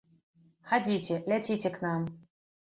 Хадзіце, ляціце к нам!